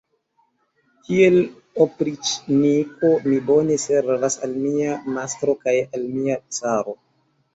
Kiel opriĉniko mi bone servas al mia mastro kaj al mia caro.